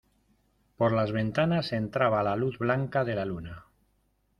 por las ventanas entraba la luz blanca de la luna.